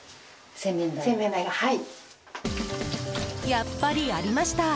やっぱりありました